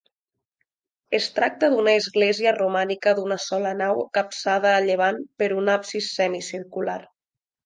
Es tracta d'una església romànica d'una sola nau capçada a llevant per un absis semicircular.